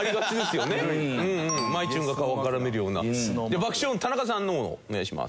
爆笑田中さんの方のお願いします。